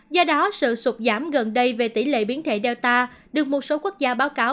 do đó sự sụt giảm gần đây về tỷ lệ biến thể data được một số quốc gia báo cáo